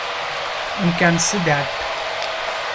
One can see that.